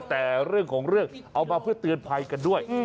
แต่เรื่องของเรื่องเอามาเพื่อเตือนภัยกันด้วย